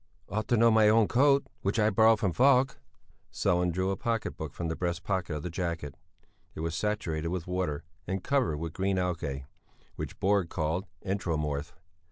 "Ought to know my own coat which I borrowed from Falk." Sellén drew a pocket book from the breast pocket of the jacket, it was saturated with water and covered with green algæ, which Borg called enteromorph.